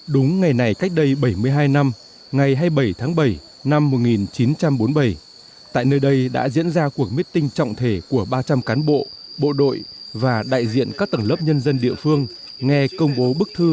đúng ngày này cách đây bảy mươi hai năm ngày hai mươi bảy tháng bảy năm một nghìn chín trăm bốn mươi bảy tại nơi đây đã diễn ra cuộc meeting trọng thể của ba trăm linh cán bộ bộ đội và đại diện các tầng lớp nhân dân địa phương nghe công bố bức thư